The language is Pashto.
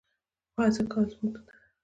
خو هڅه کول زموږ دنده ده.